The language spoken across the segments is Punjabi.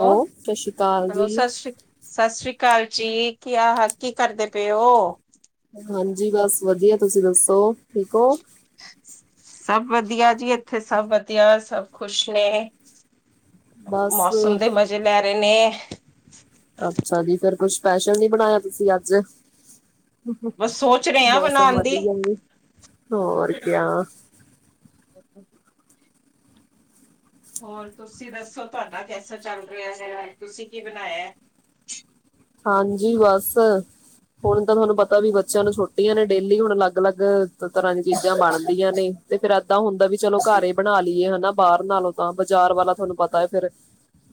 ਓ ਹੋ ਸਤਿ ਸ਼੍ਰੀ ਅਕਾਲ ਜੀ ਹੈਲੋ ਸਸ ਸ਼੍ਰੀ ਸਸ ਸ੍ਰੀ ਕਾਲ ਜੀ ਕੀ ਹਾ ਕੀ ਕਰਦੇ ਪਿਓ? ਹਾਂਜੀ ਬਸ ਵਧੀਆ ਤੁਸੀਂ ਦੱਸੋ ਠੀਕ ਓ? ਸਭ ਵਧੀਆ ਜੀ ਇੱਥੇ ਸਭ ਵਧੀਆ ਸਭ ਖ਼ੁਸ਼ ਨੇ। ਬਸ ਮੌਸਮ ਦੇ ਮਜ਼ੇ ਲੈ ਰੇ ਨੇ। ਅੱਛਾ ਜੀ ਫਿਰ ਕੁਛ ਸਪੈਸ਼ਲ ਨੀ ਬਣਾਇਆ ਤੁਸੀਂ ਅੱਜ? ਬਸ ਸੋਚ ਰਹੇ ਹਾਂ ਮੌਸਮ ਬਣਾਉਣ ਦੀ। ਵਧੀਆ ਜੀ ਹੋਰ ਕਿਆ [inaudible] ਹੋਰ ਤੁਸੀਂ ਦੱਸੋ ਤੁਹਾਡਾ ਕੈਸਾ ਚੱਲ ਰਿਆ ਹੈ ਤੁਸੀਂ ਕੀ ਬਣਾਇਐ? ਹਾਂਜੀ ਬਸ ਹੁਣ ਤਾਂ ਥੋਂਨੂੰ ਪਤਾ ਵੀ ਬੱਚਿਆਂ ਨੂੰ ਛੋਟੀਆਂ ਨੇ ਡੇਲੀ ਹੁਣ ਅਲੱਗ-ਅਲੱਗ ਤਰ੍ਹਾਂ ਦੀਆਂ ਚੀਜ਼ਾਂ ਬਣਦੀਆਂ ਨੇ ਤੇ ਫੇਰ ਐਦਾਂ ਹੁੰਦਾ ਵੀ ਚਲੋ ਘਰ ਏ ਬਣਾ ਲੀਏ ਹਨਾ ਬਾਰ ਨਾਲੋਂ ਤਾਂ ਬਾਜ਼ਾਰ ਵਾਲਾ ਥੋਂਨੂੰ ਪਤਾ ਏ ਫੇਰ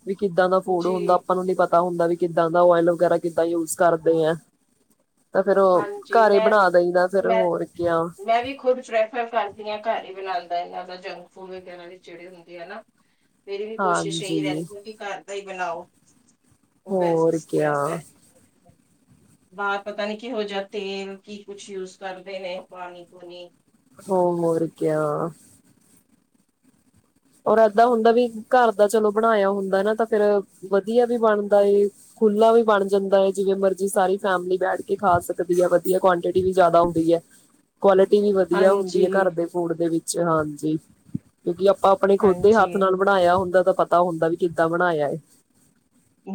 ਵੀ ਕਿੱਦਾਂ ਦਾ ਫੂਡ ਹੁੰਦਾ ਜੀ ਆਪਾਂ ਨੂੰ ਨੀ ਪਤਾ ਹੁੰਦਾ ਵੀ ਕਿੱਦਾਂ ਦਾ ਓਇਲ ਵਗੈਰਾ ਕਿੱਦਾਂ ਯੂਜ ਕਰਦੇ ਆ। ਤਾਂ ਫਿਰ ਓ ਹਾਂਜੀ ਘਰ ਈ ਮੈਂ ਬਣਾ ਦੇ ਦਈਦਾ ਫੇਰ ਮੈਂ ਹੋਰ ਕਿਆ ਮੈਂ ਵੀ ਖੁਦ [unintelligible] ਘਰ ਈ ਬਣਾਦਾ ਏਨਾਂ ਦਾ ਜੰਕ ਫੂਡ ਵਗੈਰਾ ਜੇੜੇ ਹੁੰਦੇ ਆ ਨਾ ਮੇਰੀ ਵੀ ਕੋਸ਼ਿਸ਼ ਏਈ ਹਾਂਜੀ ਰੈਂਦੀਐ ਵੀ ਘਰ ਦਾ ਈ ਬਣਾਓ। ਉਹ ਹੋਰ ਕਿਆ। ਬਾਰ ਪਤਾ ਨੀ ਕਿਹੋ ਜਿਹਾ ਤੇਲ ਕੀ ਕੁਛ ਯੂਜ ਕਰਦੇ ਨੇ ਪਾਣੀ ਪੂਣੀ ਹੋ ਮੋਰ ਕਿਆ। ਔਰ ਏਦਾਂ ਹੁੰਦਾ ਵੀ ਘਰ ਦਾ ਚਲੋ ਬਣਾਇਆ ਹੁੰਦਾ ਨਾ ਤਾਂ ਫੇਰ ਵਧੀਆ ਵੀ ਬਣਦਾ ਏ ਖੁੱਲਾ ਵੀ ਬਣ ਜਾਂਦਾ ਏ ਜਿਵੇਂ ਮਰਜੀ ਸਾਰੀ ਫੈਮਿਲੀ ਬੈਠ ਕੇ ਖਾ ਸਕਦੀ ਆ ਵਧੀਆ ਕੁਆਂਟਿਟੀ ਵੀ ਜਾਦਾ ਹੁੰਦੀ ਐ। [inaudible] ਕੁਆਲਿਟੀ ਵੀ ਵਧੀਆ ਹੁੰਦੀ ਹਾਂਜੀ ਐ ਘਰ ਦੇ ਫੂਡ ਦੇ ਵਿੱਚ ਹਾਂਜੀ ਕਿਉਂਕੀ ਆਪਾਂ ਆਪਣੇ ਖੁਦ ਦੇ ਹਾਂਜੀ ਹੱਥ ਨਾਲ ਬਣਾਇਆ ਹੁੰਦਾ ਤਾਂ ਪਤਾ ਹੁੰਦਾ ਵੀ ਕਿੱਦਾਂ ਬਣਾਇਆ ਏ।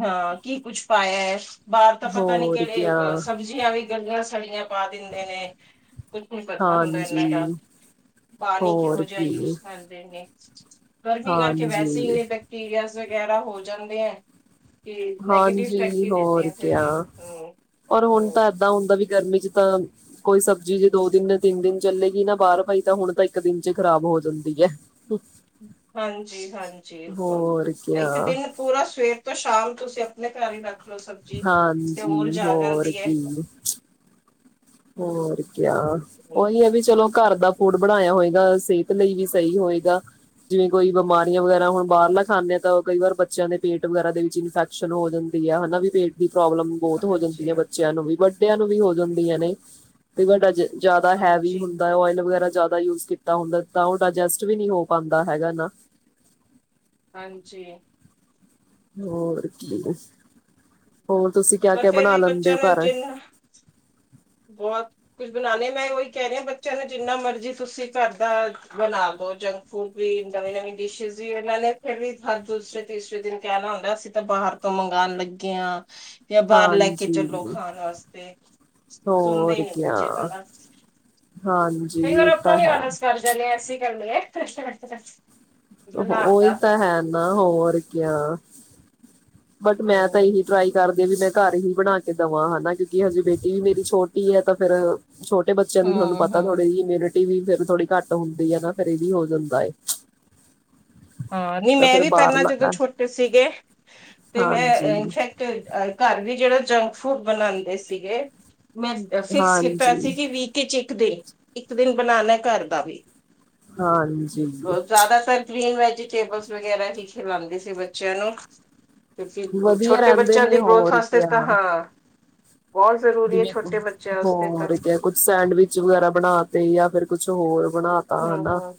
ਹਾਂ ਕੀ ਕੁੱਛ ਪਾਇਐ ਬਾਰ ਤਾਂ ਪਤਾ ਨੀ ਹੋਰ ਕੇੜੇ ਕਿਆ ਸਬਜ਼ ਜੀਆਂ ਵੀ ਗੱਲੀਆਂ ਸੜੀਆਂ ਪਾ ਦਿੰਦੇ ਨੇ ਕੁੱਝ ਨੀ ਪਤਾ ਹੁੰਦਾ ਐਨਾ ਦਾ। ਹਾਂਜੀ ਪਾਣੀ ਹੋਰ ਕਿਹੋ ਜਾ ਕੀ ਯੂਜ ਕਰਦੇ ਨੇ ਗਰਮੀ ਕਰਕੇ ਵੈਸੇ ਹਾਂਜੀ, ਹੀ [unintelligible] [unintelligible] ਵਗੈਰਾ ਹੋ ਜਾਂਦੇ ਐ ਤੇ ਨੈਗੇਟਿਵ ਇਫੈਕਟ ਹਾਂਜੀ ਵੀ ਦੇਤੇ ਹੋਰ ਐ ਫਿਰ ਹੂੰ-ਹੂੰ ਦਾਂ ਹੁੰਦਾ ਵੀ ਗਰਮੀ ਚ ਤਾਂ ਕੋਈ ਸਬਜ਼ੀ ਜੇ ਦੋ ਦਿਨ ਤਿੰਨ ਦਿਨ ਚੱਲੇਗੀ ਨਾ ਬਾਰ ਪਾਈ ਤਾਂ ਹੁਣ ਤਾਂ ਇੱਕ ਦਿਨ ਚ ਖਰਾਬ ਹੋ ਜਾਂਦੀ ਐ। ਕੁ ਹਾਂਜੀ-ਹਾਂਜੀ ਬ ਬ ਕਿਆ, ਏਕ ਦਿਨ ਪੂਰਾ ਸਵੇਰ ਤੋਂ ਸ਼ਾਮ ਤੁਸੀਂ ਅਪਣੇ ਕਾਰ ਈ ਰੱਖ ਲੋੋ ਸਬਜ਼ੀ ਤੇ ਹਾਂਜੀ ਮੁਰਝਾ ਹੋਰ ਜਾਂਦੀ ਏ। ਕੀ। ਹੋਰ ਕਯਾ ਓਈ ਐ ਵੀ ਚਲੋ ਘਰ ਦਾ ਫੂਡ ਬਣਾਇਆ ਹੋਏਗਾ ਸੇਤ ਲਈ ਵੀ ਸਈ ਹੋਏਗਾ। ਜਿਵੇਂ ਕੋਈ ਬਮਾਰੀਆਂ ਵਗੈਰਾ ਹੁਣ ਬਾਰਲਾ ਖਾਨੇ ਤਾਂ ਕਈ ਵਾਰ ਬੱਚਿਆਂ ਦੇ ਪੇਟ ਵਗੈਰਾ ਦੇ ਵਿੱਚ ਇਨਫੈ ਸ਼ਨ ਹੋ ਜਾਂਦੀ ਆ ਹੈਨਾ ਵੀ ਪੇਟ ਦੀ ਪ੍ਰੋਬਲਮ ਬੋਤ ਹੋ ਜਾਂਦੀ ਹਾਂਜੀ ਐ ਬੱਚਿਆਂ ਨੂੰ ਵੀ ਵੱਡਿਆਂ ਨੂੰ ਵੀ ਹੋ ਜਾਂਦੀ ਏ ਨਈ। ਤੇ ਵਡਾ ਜਾਦਾ ਹੈਵੀ ਹਾਂਜੀ ਹੁੰਦਾ ਓਯਲ ਵਗੈਰਾ ਜਾਦਾ ਯੂਜ ਕੀ ਤਾਂ ਹੁੰਦਾ ਤਾਂ ਓ ਡਾਇਜਸਟ ਵੀ ਨੀ ਹੋ ਪਾਂਦਾ ਹੈਗਾ ਨਾ। ਹਾਂਜੀ। ਹੋਰ ਕੀ, ਹੋਰ ਤੁਸੀਂ ਪਰ ਕਯਾ-ਕਯਾ ਫੇਰ ਬਣਾ ਵੀ ਲੈਂਦੇ ਓ ਕਾਰ ਬੋਤ ਕੁਝ ਬਣਾਣੀ ਮੈਂ ਓਈ ਕੈ ਰਈਆ ਬੱਚਿਆਂ ਨੂੰ ਜਿੰਨਾ ਮਰਜੀ ਤੁਸੀਂ ਘੱਰਦਾ ਬਣਾ ਦੋ ਜੰ ਫੂ ਵੀ ਨਵੀਂ-ਨਵੀਂ ਡਿਸ਼ਇਸ਼ ਵੀ ਏਨਾਂ ਨੇ ਫੇਰ ਵੀ ਹਰ ਦੂਸਰੇ ਤੀਸਰੇ ਦਿਨ ਕੈਂਨਾ ਹੁੰਦਾ ਅਸੀਂ ਤਾਂ ਬਾਹਰ ਤੋਂ ਮੰਗਾਣ ਲੱਗੇ ਆ। ਜਾਂ ਬਾਰ ਲੈ ਕੇ ਚਲੋ ਹਾਂਜੀ ਖਾਣ ਵਾਸਤੇ, ਸੁਣਦੇ ਈ ਹੋਰ ਨੀ ਕਿਆ ਬੱਚੇ ਤਾਂ ਨਾ ਹਾਂਜੀ ਇਹ ਤਾਂ ਹੈ। ਜਨੇ ਅਸੀ ਕਰਨੀਆਂ ਓਹ ਓਈ ਤਾਂ ਹੈ ਨਾ ਹੋਰ ਕਯਾ? ਬਟ ਮੈਂ ਤਾਂ ਹਮ ਏਹੀ ਟਰਾਈ ਕਰਦੇ ਵੀ ਮੈਂ ਘਰ ਹੀ ਬਣਾ ਕੇ ਦਵਾਂ ਹਨਾ ਕਿਉਂਕਿ ਹਜੇ ਬੇਟੀ ਵੀ ਮੇਰੀ ਛੋਟੀ ਏ ਤਾਂ ਫੇਰ ਛੋਟੇ ਬੱਚਿਆਂ ਦੀ ਤੁਹਾਨੂੰ ਹਮ ਪਤਾ ਹਮ ਥੋੜ੍ਹੇ ਇਮਿਊਨਿਟੀ ਵੀ ਫੇਰ ਥੋੜੀ ਘੱਟ ਹੁੰਦੀ ਐ ਨਾ ਫੇਰ ਏਹ ਵੀ ਹੋ ਜਾਂਦਾ ਏ। ਹਾਂ ਨਈ ਤਾਂ ਮੈਂ ਫਿਰ ਵੀ ਬਾਹਰ ਪੈਲਾ ਲ ਜਦੋਂ ਛੋਟੇ ਸੀਗੇ, ਤੇ ਮੈਂ ਹਾਂਜੀ ਇਨਫੈਕਟ ਤੇ ਅ ਕਾਰ ਵੀ ਜੇੜਾ ਜੰਕ ਫੂਡ ਬਣਾਦੇ ਸੀਗੇ, ਮੈਂ ਫਿਕਸ ਕੀਤਾ ਹੋਯਾ ਸੀ ਹਾਂਜੀ ਕਿ ਵੀਕ ਚ ਇੱਕ ਦਿਨ ਇੱਕ ਦਿਨ ਬਣਾਣਾ ਕਾਰ ਦਾ ਵੀ, ਹਾਂਜੀ ਬ ਜਾਦਾਤਰ ਗ੍ਰੀਨ ਵੈਜੀਟੇਬਲਸ ਵਗੈਰਾ ਹੀ ਖਿਂਲਾਦੀ ਸੀ ਬੱਚਿਆਂ ਨੂੰ ਤੇ ਵਧੀਆ ਛੋਟੇ ਰਹਿੰਦੇ ਬੱਚਿਆਂ ਨੇ ਦੀ ਗਰੋਥ ਹੋਰ ਆਸਤੇ ਤਾਂ ਕਿਆ ਹਾਂ। ਬੋਤ ਜ਼ਰੂਰੀ ਐ ਜਿਵੇਂ ਛੋਟੇ ਬੱਚਿਆਂ ਆਸਤੇ ਤਾਂ। ਹੋਰ ਕਿਆ ਕੁਛ ਸੈਂਡਵਿਚ ਵਗੈਰਾ ਬਣਾ ਤੇ ਜਾਂ ਫਿਰ ਕੁਛ ਹੋਰ ਬਣਾ ਤਾ ਹਨਾ ਹਾਂ-ਹਾਂ।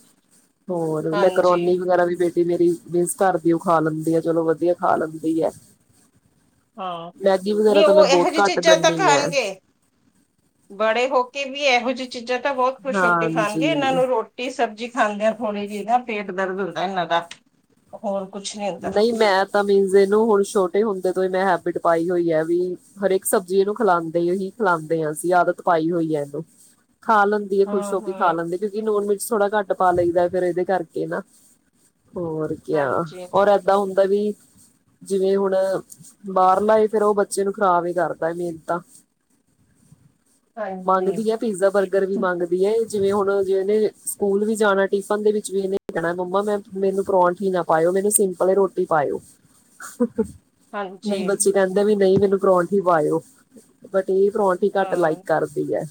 ਹੋਰ ਮੈਂਕਰੋਨੀ ਵਗੈਰਾ ਵੀ ਬੇ ਤੇ ਮੇਰੀ ਵੇਸ ਘਰ ਦੀ ਓ ਖਾ ਲੈਂਦੀ ਆ ਚਲੋ ਵਧੀਆ ਖਾ ਲੈਂਦੀ ਆ। ਹਾਂ ਨੀ ਤਾਂ ਮੈਂ ਓ ਏਹੋ ਬਹੁਤ ਜਈ ਘੱਟ ਚੀਜ਼ਾਂ ਤਾਂ ਦਿੰਦੀ ਹੈ ਖਾਣਗੇ, ਬੜੇ ਹੋ ਕੇ ਵੀ ਏਹੋ ਜਿ ਚੀਜ਼ਾਂ ਤਾਂ ਬੋਤ ਖੁਸ਼ ਹੋ ਕੇ ਹਾਂਜੀ ਖਾਣਗੇ ਏਨਾਂ ਨੂੰ ਰੋ ਟੀ ਸਬਜ਼ੀ ਖਾਂਦੇ ਆ ਥੋੜ੍ਹੀ ਜੀ ਨਾ ਪੇਟ ਦਰਦ ਹੁੰਦਾ ਏਨਾਂ ਦਾ। ਹੋਰ ਕੁਛ ਨੀ ਹੁੰਦਾ। ਤਮੀਜ ਏਨੂੰ ਹੁਣ ਛੋਟੇ ਹੁੰਦੇ ਤੋਂ ਈ ਮੈਂ ਹੈਬਿਟ ਪਾਈ ਹੋਈ ਐ ਵੀ ਹਰੇਕ ਸਬਜ਼ੀ ਇਨੂੰ ਖਲਾਂਦੇ ਹੀ ਖਲਾਂਦੇ ਆ ਅਸੀ ਆਦਤ ਪਾਈ ਹੋਈ ਐ ਏਨੂੰ, ਖਾ ਲੈਂ ਵੀ ਏ ਖੁਸ਼ ਹੋ ਕੇ ਹੂੰ-ਹੂੰ ਖਾ ਲੈਂਦੇ ਕਿਉਂਕਿ ਨੂਨ, ਮਿਰਚ ਥੋੜਾ ਘੱਟ ਪਾ ਲਈ ਦਾ ਫੇਰ ਏਦੇ ਕਰਕੇ ਨਾ, ਹੋਰ ਕਯਾ ਹਾਂਜੀ। ਏਦਾ ਹੁੰਦਾ ਵੀ ਜਿਵੇਂ ਹੁਣ, ਬਾਰਲਾ ਏ ਫੇਰ ਓ ਬੱਚੇ ਨੂੰ ਖ਼ਰਾਬ ਈ ਕਰਦਾ ਮੈਨ ਤਾਂ [inaudible] ਮਾਗਦੀ ੲੈ ਪੀਜ਼ਾ, ਬਰਗਰ ਵੀ ਮੰਗਦੀ ਏ, ਜਿਵੇਂ ਹੋਣ, ਜਿਵੇਂ ਏਨੇ ਸਕੂਲ ਵੀ ਜਾਣਾ ਟਿਫਨ ਦੇ ਵਿੱਚ ਵੀ ਏਨੇ ਏਨੇ ਕੈਣਾ, ਮੰਮਾ, ਮੈਂ ਮੇਨੂੰ ਪਰੋੰਠੀ ਨਾ ਪਾਏਓ ਮ ਸਿੰਪਲ ਏ ਰੋਟੀ ਪਾਏਓ, ਨਹੀ ਹਾਂਜੀ ਬੱਚੇ ਕੈੰਦੇ ਵੀ ਨਈ ਮੈਨੂੰ ਪਰੌਂਠੀ ਪਾਏਓ, ਬਟ ਏ ਪਰੌਠੀ ਘੱਟ ਲਾਈਕ ਕਰਦੀ ੲੈ।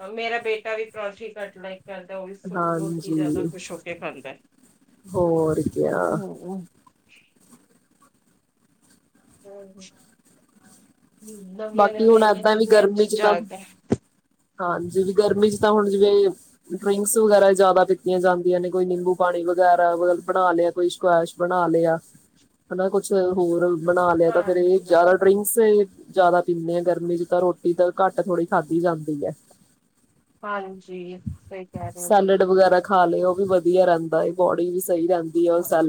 ਹਾਂ ਮੇਰਾ ਬੇਟਾ ਵੀ ਪਰੋਂਠੀ ਘਟ ਲਾਈਕ ਕਰਦਾ ਓ ਵੀ ਸਿਪਰੋ ਚੀ ਜਾਦਾ ਹਾਂਜੀ ਖੁਸ਼ ਹੋ ਕੇ ਖਾਂਦੈ। ਹੋਰ ਕਿਆ ਹੂੰ, [unintelligible] ਬਾਕੀ ਨਵੀਆਂ-ਨਵੀਆਂ ਹੁਣ ਅਨੀਆਂ ਏਦਾਂ ਚੀਜ਼ਾਂ, ਆ ਗਈਆਂ। ਹਾਂ ਜੀ, ਵੀ ਗਰਮੀ ਚ ਤਾਂ ਹੋਣ ਜਿਵੇਂ ਡਿ੍ੰਕਸ ਵਗੈਰਾ ਜਾਦਾ ਪੀਤੀਆਂ ਜਾਂਦੀਆਂ ਨੇ, ਕੋਈ ਨਿੰਬੂ ਪਾਣੀ ਵਗੈਰਾ ਬ, ਬਣਾ ਲੇਆ ਕੋਈ ਸੁਕੈਸ਼ ਬਣਾ ਲੇਆ, ਹੈਨਾ ਕੁਛ ਹੋਰ ਬਣਾ ਲੇਆ ਤਾਂ ਫੇਰ ਏ ਹਾਂਜੀ-ਹਾਂਜੀ ਜਾਦਾ ਡਿ੍ੰਸ ਏ ਜਾਦਾ ਪੀਣੇ ਗਰਮੀ ਚ ਤਾਂ ਰੋਟੀ ਤਾਂ ਘੱਟ ਥੋੜੀ ਖਾਧੀ ਜਾਦੀ ੲੈ। ਹਾਂਜੀ, ਸਈ ਕੈ ਰੇ ਓ ਜੀ। ਸੈਲਡ ਵਗੈਰਾ ਖਾ ਲੇ ਓ ਵੀ ਵਧੀਆ ਰੈੰਦਾ ਏ, ਬੋਡੀ ਵੀ ਸਈ ਰੈੰ ਹਾਂ।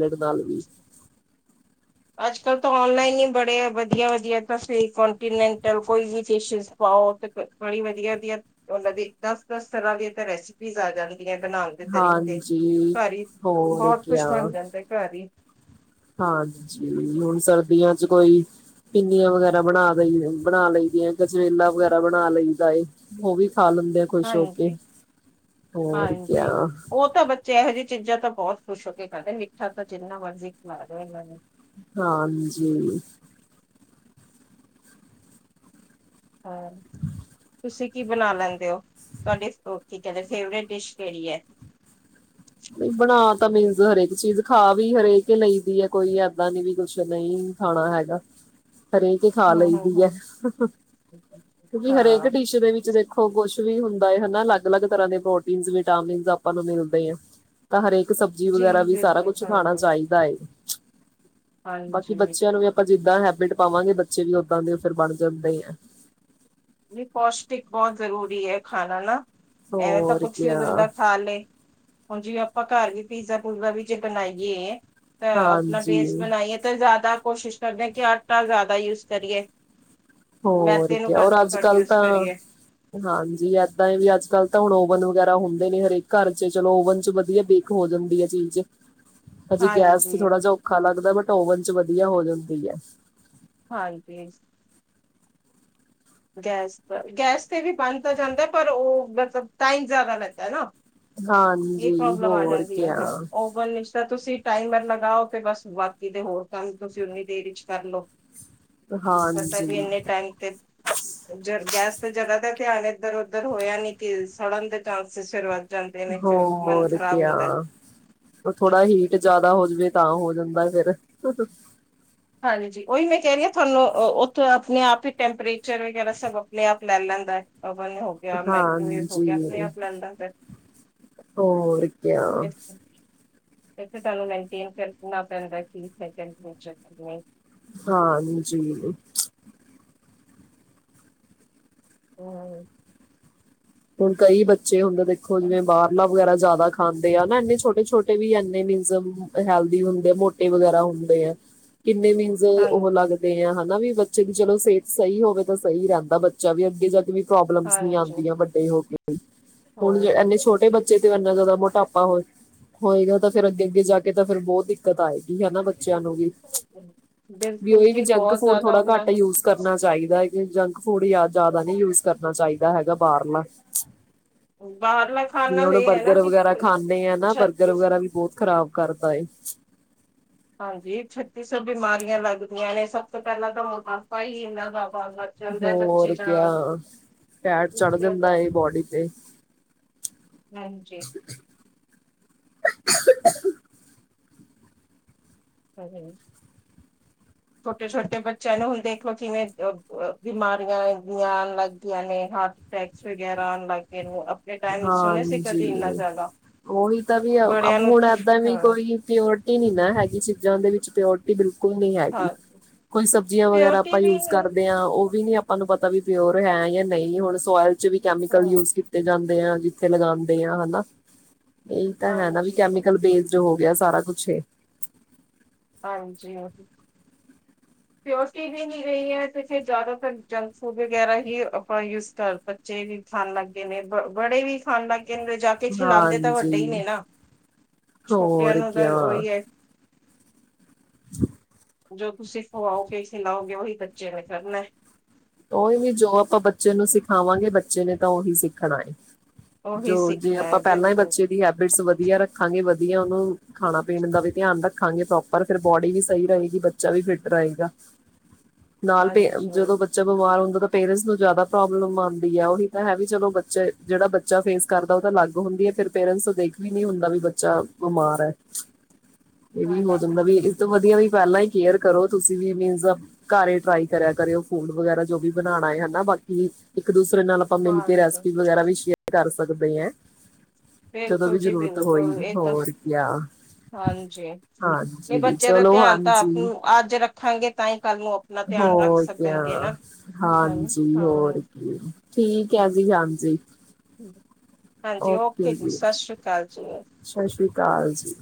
ਅੱਜ-ਕੱਲ ਤਾਂ ਔਨਲਾਈਨ ਈ ਬੜੇ ਵਧੀਆ-ਵਧੀਆ ਟਸਟੇਟ ਕੋਂਟੀਨੈਂਟਲ ਕੋਈ ਵੀ ਡਿਸ਼ਿਸ ਖਾਵਾਓ ਤੇ ਬ, ਬੜੀ ਵਧੀਆ-ਵਧੀਆ ਓਨਾਂ ਦੀ ਦੱਸ-ਦੱਸ ਤਰਾ ਦੀਆਂ ਰੈਸਪੀਸ਼ ਆ ਜਾਣੀ [unintelligible] ਬਣਾਉਣ ਦੇ ਤਰੀਕੇ, ਹਾਂਜੀ ਘਰ ਈ, ਹੋਰ ਬੌਤ ਕੁਛ ਕਿਆ ਬੱਣ ਜਾਂਦਾ ਘੱਰ ਈ ਹਾਂਜੀ, ਹੁਣ ਸਰਦੀਆਂ ਚ ਕੋਈ ਪਿੰਨੀਆਂ ਵਗੈਰਾ ਬਣਾ ਲਈ, ਬਣਾ ਲਈ ਦੀਆਂ, ਗਜਰੇਲਾ ਵਗੈਰਾ ਬਣਾ ਲਈ ਦਾ ਏ। ਓ ਵੀ ਖਾ ਲੈਂਦੇ ਖੁਸ਼ ਹੋ ਕੇ, ਹਾਂਜੀ ਹੋਰ ਕੇਆ ਓ ਤਾਂ ਵੇ ਚੈ ਹੇ ਜਿ ਚੀਜ਼ਾਂ ਅਪਾ ਬੋ ਖੁਸ਼ ਹੋ ਕੇ ਖਾਂਦੇ, ਮਿੱਠਾ ਤਾਂ ਜਿੰਨਾ ਮਰਜ਼ੀ ਖਲਾ ਦੋ ਏਨਾਂ ਨੂੰ। ਹਾਂਜੀ। ਹਾਮ ਤੁਸੀਂ ਕੀ ਬਣਾ ਲੈਂਦੇ ਓ? ਤਵਾਡੀ ਅ ਕੀ ਕੈੰਦੇ ਫੇਵਰੇਟ ਡਿਸ਼ ਕੇੜੀ ੲੈ? ਬਣਾ ਤਾਂ ਮੀਨਸ ਹਰ ਏਕ ਚੀਜ਼, ਖਾ ਵੀ ਹਰ ਏਕ ਈ ਲਈ ਦੀ ੲੈ, ਕੋਈ ਏਦਾਂ ਨੀ ਵੀ ਕੁਛ ਨਈ ਖਾਣਾ ਹੈਗਾ, ਹਰੇਕ ਕੇ ਖਾ ਹਮ ਲਈ ਹਮ ਦੀ ੲੈ, ਹਮ ਕਿੳਕਿ ਹਰੇਕ ਹਾਂ ਡਿਸ਼ ਦੇ ਵਿੱਚ ਦੇਖੋ ਹੋ ਕੋਛ ਵੀ ਹੁੰਦਾ ਏ ਹਨਾ, ਲੱਗ-ਲੱਗ ਤਰਾਂ ਦੇ ਪ੍ਰੋਟੀਨ, ਵਿਟਾਮਿਨਸ ਆਪਾਂ ਨੂੰ ਮਿਲਦੇ ਐ। ਤਾਂ ਹਰ ਏਕ ਸਬਜ਼ੀ ਵਗੈਰਾ ਜੀ ਵੀ ਸਾਰਾ ਬਿਲਕੁਲ ਕੁਛ ਖਾਣਾ ਹਾਂਜੀ ਚਾਈਦਾ ਏ। ਹਾਂਜੀ। ਪਾਂ ਜਿੱਦਾ ਹੈਬਿਟ ਪਾਵਾਂਗੇ, ਬੱਚੇ ਵੀ ਉੱਦਾਂ ਦੇ ਫਿਰ ਬੱਣ ਜਾਂਦੇ ਐ। ਜੀ ਪੌਸ਼ਟਿਕ ਬੋਤ ਜ਼ਰੂਰੀ ਏ ਖਾਣਾ ਨਾ। ਐਵੇਂ ਤਾਂ ਹੋਰ ਕੁਛ ਵੀ ਕਿਆ ਬੰਦਾ ਖਾ ਲੇ। ਹੁਣ ਜਿਵੇਂ ਅਪਾਂ ਘੱਰ ਵੀ ਪੀਜ਼ਾ-ਪੂਜਾ ਵੀ ਜੇ ਬਣਾਈਏ ਅ, ਅਪਣਾ ਟੇਸਟ ਹਾਂਜੀ ਬਣਾਈਏ ਤੇ ਜਾਦਾ ਕੋਸ਼ਿਸ਼ ਕਰਦੇ ਹਾਂ ਕਿ ਆਟਾ ਜਾਦਾ ਯੂਸ ਕਰੀਏ। ਹੋਰ ਮੈਦੇ ਨੂੰ ਕੀ, ਅੋ ਘੱਟ ਤੋਂ ਘੱਟ ਅੱਜ-ਕੱਲ ਯੂਜ ਤਾਂ ਕਰੀਏ ਹਾਂਜੀ ਏਦਾਂ ਏ ਵੀ ਅੱਜ-ਕੱਲ ਤਾਂ ਹੁਣ ਔਵਨ ਵਗੈਰਾ ਹੁੰਦੇ ਨੇ ਹਰੇਕ ਘੱਰ ਚ ਚਲੋ ਔਵਨ ਚ ਵਧੀਆ ਬੇ ਕ ਹੋ ਜਾਦੀ ੲੈ ਚੀਜ਼ ਹਜੇ ਗੈਸ ਚ ਹਾਂਜੀ ਥੋੜਾ ਜਾ ਔਖਾ ਲੱਗਦਾ ਬਟ ਓਵਨ ਚ ਵਧੀਆ ਹੋ ਜਾਂਦੀ ਐ। ਹਾਂਜੀ। ਗੈਸ ਦਾ ਵੀ, ਗੈਸ ਤੇ ਵੀ ਬੰਣ ਤਾਂ ਜਾਂਦਾ ਪਰ ਓ ਮਤਲਬ ਟਾਈਮ ਜਾਦਾ ਲੈਂਦਾ ਨਾ। ਏਕ ਹਾਂਜੀ ਪ੍ਰੋਬਲਮ ਆ ਹੋਰ ਜਾਂਦੀ ੲੈ ਕਿਆ ਥੋੜਾ। ਓ ਗੱਲ ਇਸਰਾ ਤੁਸੀ ਟਾਈਮਰ ਲਗਾਓ ਕਿ ਬਸ, ਬਾਕੀ ਦੇ ਹੋਰ ਕੰਮ ਤੁਸੀਂ ਓਨੀ ਦੇਰ'ਚ ਕਰਲੋ। ਕਰਤਾ ਹਾਂਜੀ ਵੀ ਇੰਨੇ ਟਾਈਮ ਤੇ ਜ ਗੈਸ ਤੇ ਜਿਆਦਾਤਰ ਧਿਆਨ ਇੱਧਰ-ਉੱਧਰ ਹੋਇਆ ਨੀ ਕਿ, ਸੜਨ ਦੇ ਚਾਂਸਿਸ ਸ਼ੁਰੂਆਤ ਜਾਂਦੇ ਨੇ, ਫਿਰ ਓ ਮਨ ਹੋਰ ਖਰਾਬ ਕਿਆ ਹੋਂਦੈ। ਥੋੜਾ ਹੀਟ ਜਿਆਦਾ ਹੋਜਵੇ, ਤਾਂ ਹੋ ਜਾਂਦਾ ਫਿਰ। ਹਾਂਜੀ, ਉਹੀ ਮੈਂ ਕਹਿ ਰਹੀ ਆ, ਥੋਨੂੰ ਉੱਥੇ ਆਪਣੇ-ਆਪ ਈ ਟੈਂਪਰੇਚਰ ਵਗੈਰਾ ਸਭ ਅਪਣੇ-ਆਪ ਲੈ ਲੈਂਦਾ। ਅ ਬਾਨੇ ਹੋ ਮੈ ਹੋਗਿਆ, ਮਾਈਕ੍ਰੋਵੇਵ ਹਾਂਜੀ ਹੋਗਿਆ, ਅਪਣੇ-ਆਪ ਲੈਂਦਾ ਹੋਰ ਕਿਆ ਫਿਰ ਤੇ ਤੁਹਾਨੂੰ ਮੈਂਟੇਨ ਕਰਨਾ ਪੈਂਦਾ, ਕਿ ਹੈਗਾ ਕਿਚਨ ਕਿ ਨਹੀਂ। ਹਾਂਜੀ। ਹੂੰ। ਹੁਣ ਕਈ ਬੱਚੇ ਹੁੰਦੇ ਦੇਖੋ, ਜਿਵੇਂ ਬਾਹਰਲਾ ਵਗੈਰਾ ਜ਼ਿਆਦਾ ਖਾਂਦੇ ਆ ਨਾ, ਇਨੇ ਛੋਟੇ-ਛੋਟੇ ਵੀ ਇੰਨੇ [inaudible] ਹੈਲਥੀ ਹੁੰਦੇ, ਮੋਟੇ ਵਗੈਰਾ ਹੁੰਦੇ ਆ। ਕਿੰਨੇ ਮੀਨਜ? ਜ਼ੋ ਉਹ ਹਾਂਜੀ ਲੱਗਦੇ ਆ ਹਨਾ ਵੀ ਬੱਚੇ ਦੀ ਚਲੋ ਸਿਹਤ ਸਹੀ ਹੋਵੇ ਤਾਂ ਸਹੀ ਰਹਿੰਦਾ ਬੱਚਾ ਵੀ, ਅੱਗੇ ਜਾਕੇ ਵੀ ਪ੍ਰੋਬਲਮਸ ਨਹੀ ਹਾਂਜੀ ਆਂਦੀਆਂ ਵੱਡੇ ਹੋਕੇ ਵੀ, ਹੋ ਹੁਣ ਇੰਨੇ ਛੋਟੇ ਬੱਚੇ ਬੱਚੇ ਤੇ ਇੰਨਾ ਜ਼ਿਆਦਾ ਮ੍ਹੋਟਾਪਾ ਹੋਏ ਹੋਏਗਾ ਤਾਂ ਫਿਰ ਅੱਗੇ-ਅੱਗੇ ਜਾਕੇ ਤਾ ਫਿਰ ਬਹੁਤ ਦਿੱਕਤ ਆਏਗੀ ਹਨਾ, ਬੱਚਿਆਂ ਨੂੰ ਵੀ। ਵੀ ਬਿਲਕੁਲ ਓਈ ਵੀ, ਜੀ ਜੰਕ ਬਹੁਤ ਫੂਡ ਜ਼ਿਆਦਾ ਥੋੜਾ ਉਹਨਾਂ ਘੱਟ ਨੂੰ ਯੂਜ ਕਰਨਾ ਚਾਹੀਦਾ ਏ ਕਿ, ਜੰਕ ਫੂਡ ਯਾ ਜ਼ਿਆਦਾ ਨੀ ਯੂਜ ਕਰਨਾ ਚਾਹੀਦਾ ਹੈਗਾ ਬਾਹਰਲਾ। ਬਾਹਰਲਾ ਖਾਣ ਜੇ ਨਾਲ ਹੁਣ ਇਹ ਹੈ ਨਾ ਬਰਗਰ ਕਿ ਵਗੈਰਾ ਖਾਂਨੇ ਆ ਨਾ, ਬਰਗਰ ਛੱਤੀ ਵਗੈਰਾ ਵੀ ਬਹੁਤ ਖਰਾਬ ਕਰਦਾ ਏ। ਹਾਂਜੀ, ਛੱਤੀ ਸੌ ਬਿਮਾਰੀਆਂ ਲੱਗਦੀਆਂ ਨੇ ਸਭ ਤੋਂ ਪਹਿਲਾਂ ਤਾਂ ਮੋਟਾਪਾ ਹੀ ਇਹਨਾਂ ਜਾਦਾ ਆਂਦਾ ਹੋਰ ਕਿਆ, ਫੈਟ ਚੜ ਜਾਂਦਾ ਏ ਬੋਡੀ ਤੇ। ਹਾਂਜੀ‌। ਕਰਦੇ ਛੋਟੇ-ਛੋਟੇ ਬੱਚਿਆਂ ਨੂੰ ਹੁਣ ਦੇਖਲੋ ਕਿਵੇਂ, ਬਿਮਾਰੀਆਂ ਲੱਗਦੀਆਂ ਨੇ, ਹਾਰਟ ਅਟੈਕਸ ਵਗੈਰਾ ਆਣ ਲੱਗ ਗਏ ਨੂੰ ਹਾਂਜੀ, ਓਹੀ ਤਾਂ ਵੀ ਬੜਿਆਂ ਨੂੰ ਹੁਣ ਤਾਂ ਐਦਾਂ ਵੀ ਹਾਂ ਕੋਈ ਪਿਓਰਟੀ ਨਹੀਂ ਨਾ ਹੈਗੀ ਚੀਜ਼ਾਂ ਦੇ ਵਿੱਚ, ਪਿਓ ਬਿਲਕੁਲ ਨਹੀਂ ਹੈਗੀ, ਹਾਂ ਕੋਈ ਸਬਜ਼ੀਆਂ ਵਗੈਰਾ ਪਿਓਰਟੀ ਆਪਾਂ ਵੀ ਯੂਜ ਨਹੀਂ। ਕਰਦੇ ਆਂ, ਉਹ ਵੀ ਨੀ ਆਪਾਨ ਨੂੰ ਪਤਾ ਵੀ ਪਿਓਰ ਹੈ ਯਾ ਨਹੀਂ, ਹੁਣ ਸੋਇਲ'ਚ ਵੀ ਹਾਂ ਕੈਮੀਕਲ ਯੂਜ ਕੀਤੇ ਜਾਂ ਜਿੱਥੇ ਲਗਾਂਦੇ ਆ ਹਨਾ, ਇਹੀ ਤਾਂ ਹੈ ਨਾ, ਵੀ ਹਾਂਜੀ ਕੈਮੀਕਲ ਬੇਸਡ ਜੋ ਹੋਗਿਆ, ਸਾਰਾ ਕੁਛ ਏ। ਹਾਂਜੀ। ਪਿਓਰਟੀ ਵੀ ਨਹੀਂ ਰਹੀ ਐ, ਤੇ ਫਿਰ ਜ਼ਿਆਦਾਤਰ ਜੰਕ ਫੂਡ ਵਗੈਰਾ ਹੀ ਆਪਾਂ ਯੂਜ ਕਰ ਸਕ ਬੱਚੇ ਵੀ ਖਾਣ ਲੱਗਗੇ ਨੇ, ਬੜੇ ਵੀ ਖਾਣ ਲੱਗਗੇ ਨੇ ਕੇ ਖਿਲਾਂਂਦੇ ਤਾਂ ਵੱਡੇ ਈ ਹਾਂਜੀ। ਨੇ ਨਾ, ਛੋਟਿਆਂ ਹੋਰ ਨੂੰ ਤਾਂ ਕਿਆ ਉਹੀ ਏ। [unintelligible] ਜੋ ਤੁਸੀਂ ਖਵਾਓਗੇ, ਖਿਲਾਓਗੇ ਉਹੀ ਬੱਚੇ ਨੇ ਕਰਨਾ। ਉਹੀ ਵੀ, ਜੋ ਆਪਾਂ ਬੱਚੇ ਨੂੰ ਸਿਖਾਵਾਂਗੇ ਬੱਚੇ ਨੇ ਤਾਂ ਉਹੀ ਸਿੱਖਣਾ ਏ। ਉਹੀ ਜੋ, ਜੇ ਸਿੱਖਣਾ ਆਪਾਂ ਹੈ ਪਹਿਲਾਂ ਈ ਬਿਲਕੁਲ ਬੱਚੇ ਜੀ ਦੀ ਹੈਬਿਟਸ ਵਧੀਆ ਰੱਖਾਂਗੇ, ਵਧੀਆ ਉਹਨੂੰ ਖਾਣਾ-ਪੀਣ ਦਾ ਵੀ ਧਿਆਨ ਰੱਖਾਂਗੇ ਪ੍ਰੌਪਰ, ਫਿਰ ਬੋਡੀ ਵੀ ਸਹੀ ਰਹੇਗੀ, ਬੱਚਾ ਵੀ ਫਿਟ ਰਹੇਗਾ। [inaudible] ਨਾਲ ਭੇਜ ਹਾਂਜੀ ਜਦੋਂ ਬੱ ਬੱਚਾ ਬਿਮਾਰ ਹੁੰਦਾ ਤਾਂ ਪੇਰੈਂਟਸ ਨੂੰ ਜਿਆਦਾ ਪ੍ਰੋਬਲਮ ਆਂਦੀ ਆ ਉਹੀ ਤਾਂ ਹੈ ਵੀ ਚਲੋ ਬੱਚੇ ਜੇੜਾ ਬੱ ਚਾ ਫੇਸ ਕਰਦਾ ਓ ਤਾਂ ਅਲੱਗ ਹੁੰਦੀ ਆ ਫੇਰ ਪੇਰੈਂਟਸ ਤੋਂ ਦੇਖ ਵੀ ਨੀ ਹੁੰਦਾ ਵੀ ਬੱਚਾ ਬਿਮਾਰ ਐ। [inaudible] ਏਹੀ ਹੋ ਜਾਂਦਾ ਹਾਂਜੀ ਵੀ ਇ ਤੋਂ ਵਧੀਆ ਵੀ ਪਹਿਲਾਂ ਈ ਕੇਅਰ ਕਰੋ ਤੁਸੀਂ ਵੀ ਮੀਨਜ਼ ਘਰ ਏ ਟਰਾਈ ਕਰਿਆ ਕਰੇ ਓ। ਫੂਡ ਵਗੈਰਾ ਜੋ ਵੀ ਬਣਾਣਾ ਏ ਹੈਨਾ ਬਾਕੀ ਇੱਕ-ਦੂਸਰੇ ਨਾਲ ਆਪਾਂ ਮਿਲ ਕੇ ਹਾਂਜੀ ਰੈਸਪੀ ਵਗੈਰਾ ਵੀ ਸ਼ੇਅਰ ਕਰ ਸਕਦੇ ਐ, ਜਦੋਂ ਬਿਲਕੁਲ ਵੀ ਜੀ ਜ਼ਰੂਰਤ ਹੋਈ ਬਿਲਕੁਲ ਇਹ ਤਾਂ ਹੋਰ ਕੇਆ। ਹਾਂਜੀ। ਨਈ ਬੱਚਿਆਂ ਦਾ ਚਲੋ ਧਿਆਨ ਤਾਂ ਆਪ ਹਾਂਜੀ ਨੂੰ ਅੱਜ ਰੱਖਾਂਗੇ ਤਾਂ ਈ ਕੱਲ ਨੂੰ ਆਪਣਾ ਧਿਆਨ ਰੱਖ ਸਕ ਆ ਹਾਂਜੀ ਹੋਰ ਹਾਂ ਕੀ ਠੀਕ ਐ ਜੀ ਹਾਂਜੀ। ਹਾਂਜੀ ਓਕੇ ਜੀ ਸ ਸ਼੍ਰੀ ਕਾਲ ਜੀ। ਸ ਸ਼੍ਰੀ ਕਾਲ ਜੀ।